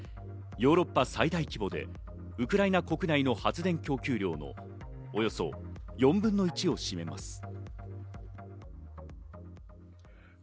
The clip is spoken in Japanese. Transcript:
ヨーロッパ最大規模でウクライナ国内の発電供給量のおよそ４分の１を占めます。